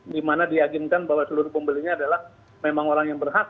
di mana diaginkan bahwa seluruh pembelinya adalah memang orang yang berhak